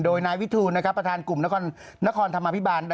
โดยนายวิทูลประธานกลุ่มนครธรรมภิบาล